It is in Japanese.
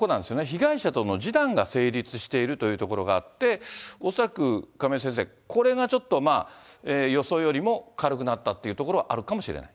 被害者との示談が成立しているというところがあって、恐らく亀井先生、これがちょっと、予想よりも軽くなったっていうところはあるかもしれない？